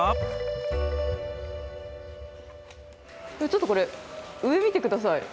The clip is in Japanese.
ちょっとこれ、上見てください、